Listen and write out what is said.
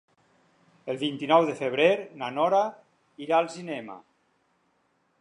El vint-i-nou de febrer na Nora irà al cinema.